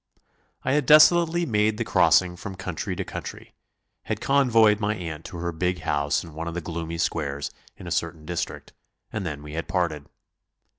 I had desolately made the crossing from country to country, had convoyed my aunt to her big house in one of the gloomy squares in a certain district, and then we had parted.